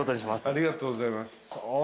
ありがとうございます。